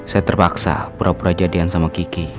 saya terpaksa beropera jadian sama kiki